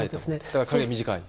だから影が短い。